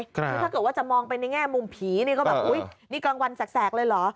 คือถ้าเกิดว่าจะมองไปในแง่มุมผีนี่ก็แบบอุ๊ยนี่กลางวันแสกเลยเหรอ